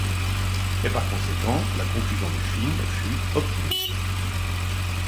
Et, par conséquent, la conclusion du film fut optimiste.